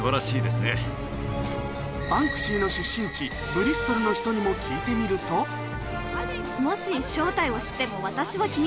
バンクシーの出身地ブリストルの人にも聞いてみると私は。